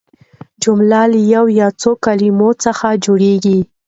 جمله له یوې یا څو کلیمو څخه جوړیږي.